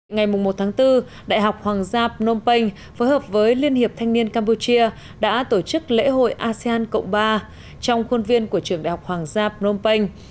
ngày một bốn đại học hoàng giáp nôm penh phối hợp với liên hiệp thanh niên campuchia đã tổ chức lễ hội asean cộng ba trong khuôn viên của trường đại học hoàng giáp nôm penh